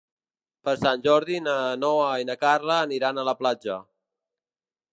Per Sant Jordi na Noa i na Carla aniran a la platja.